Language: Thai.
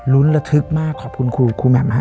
ลุ้นระทึกมากขอบคุณครูแหม่ม